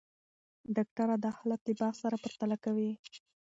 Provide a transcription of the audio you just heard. ډاکټره دا حالت له باغ سره پرتله کوي.